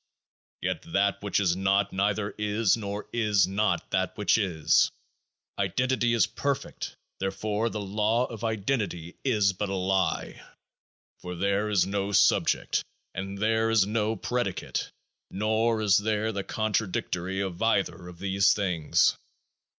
Yet THAT which is not neither is nor is not That which is ! Identity is perfect ; therefore the Law of Identity is but a lie. For there is no subject, and there is no predicate ; nor is there the contradictory of either of these things.